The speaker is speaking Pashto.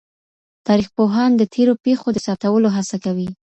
تاريخ پوهان د تېرو پېښو د ثبتولو هڅه کوي.